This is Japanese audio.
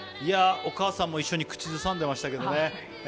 お母さんも一緒に口ずさんでいましたね。